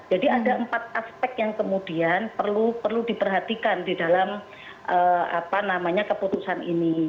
jadi ada empat aspek yang kemudian perlu diperhatikan di dalam keputusan ini